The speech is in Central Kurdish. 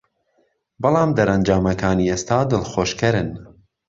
بەڵام دەرەنجامەکانی ئێستا دڵخۆشکەرن